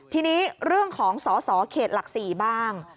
ทีนี้เรื่องของสสเขตหลัก๔บ้าง